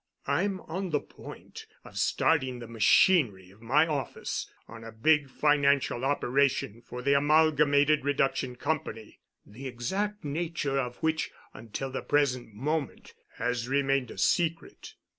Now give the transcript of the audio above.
I'm on the point of starting the machinery of my office on a big financial operation for the Amalgamated Reduction Company—the exact nature of which until the present moment has remained a secret.